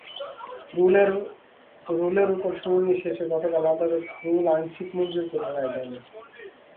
রুলের ওপর শুনানি শেষে গতকাল আদালত রুল আংশিক মঞ্জুর করে রায় দেন।